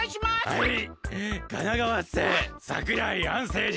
はい。